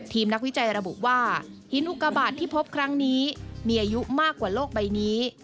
นักวิจัยระบุว่าหินอุกบาทที่พบครั้งนี้มีอายุมากกว่าโลกใบนี้